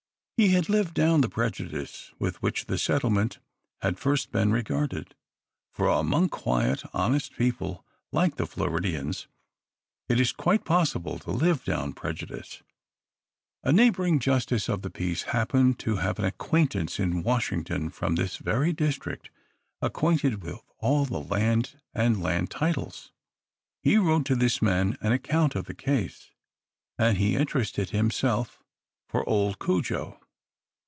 He had lived down the prejudice with which the settlement had first been regarded; for among quiet, honest people like the Floridians, it is quite possible to live down prejudice. A neighboring justice of the peace happened to have an acquaintance in Washington from this very district, acquainted with all the land and land titles. He wrote to this man an account of the case; and he interested himself for old Cudjo.